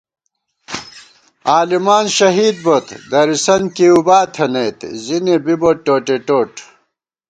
عالِمان شہید بوت، درِسنت کِیوبا تھنَئیت زِنی بِبوت ٹوٹےٹوٹ